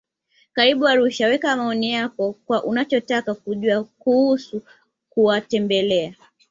Karibu Arusha weka maoni yako kwa unachotaka kujua kuusu kuwatembelea